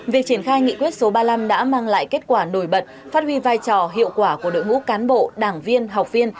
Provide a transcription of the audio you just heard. việc triển khai nghị quyết số ba mươi năm đã mang lại kết quả nổi bật phát huy vai trò hiệu quả của đội ngũ cán bộ đảng viên học viên